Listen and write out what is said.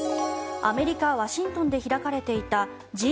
アメリカ・ワシントンで開かれていたＧ２０・